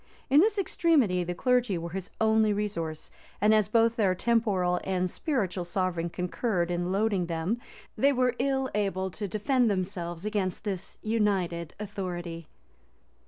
[*] In this extremity the clergy were his only resource; and as both their temporal and spiritual sovereign concurred in loading them, they were ill able to defend themselves against this united authority.